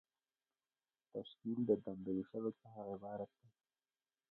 تشکیل د دندو د ویشلو څخه عبارت دی.